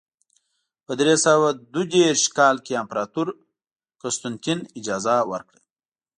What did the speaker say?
په درې سوه دوه دېرش کال کې امپراتور قسطنطین اجازه ورکړه.